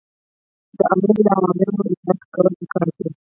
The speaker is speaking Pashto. د آمر له اوامرو اطاعت کول پکار دي.